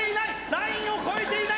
ラインを越えていない！